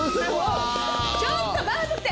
ちょっと待って。